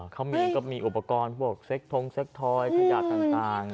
เขามีก็มีอุปกรณ์พวกเซ็กทงเซ็กทอยขยะต่าง